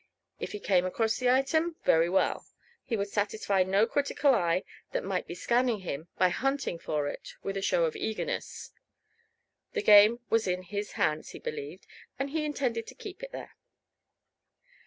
If he came across the item, very well; he would satisfy no critical eye that might be scanning him by hunting for it with a show of eagerness. The game was in his hands, he believed, and he intended to keep it there.